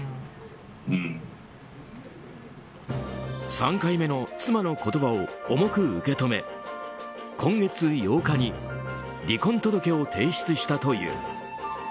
３回目の妻の言葉を重く受け止め今月８日に離婚届を提出したという。